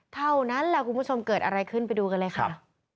เท่านั้นแหละคุณผู้ชมเกิดอะไรขึ้นไปดูกันเลยค่ะ